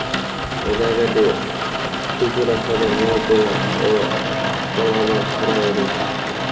এই জায়গাটি চুঁচুড়া সদর মহকুমা ও বলাগড় থানার অধীন।